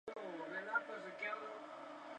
Usualmente no ramifica o lo hace escasamente.